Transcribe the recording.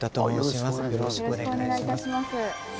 よろしくお願いします。